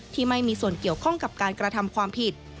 ที่มีส่วนเกี่ยวข้องกับการกระทำความผิด